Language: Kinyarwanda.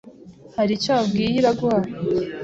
Hari icyo wabwiye Iraguha?